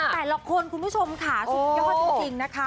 แต่ละคนคุณผู้ชมค่ะสุดยอดจริงนะคะ